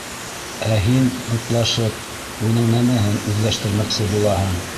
Ә һин, мутлашып, уның нәмәһен үҙләштермәксе булаһың.